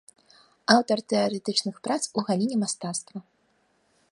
Аўтар тэарэтычных прац у галіне мастацтва.